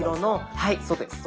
はいそうです。